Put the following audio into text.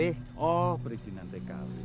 oh perizinan tkw